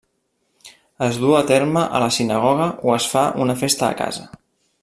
Es duu a terme a la sinagoga o es fa una festa a casa.